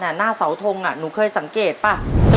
หน้าเสาทงหนูเคยสังเกตป่ะ